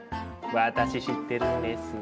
私知ってるんです。